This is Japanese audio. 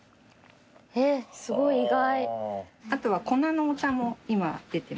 あとは粉のお茶も今出てまして。